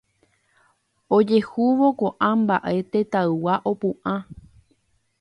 Ojehúvo ko'ã mba'e tetãygua opu'ã.